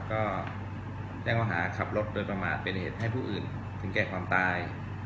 ก็แจ้งเขาหาขับรถโดยประมาทเป็นเหตุให้ผู้อื่นถึงแก่ความตาย